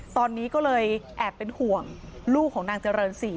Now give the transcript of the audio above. ตอนนี้ก็เลยแอบเป็นห่วงลูกของนางเจริญศรี